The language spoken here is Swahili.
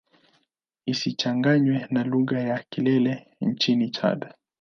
Isichanganywe na lugha ya Kilele nchini Chad.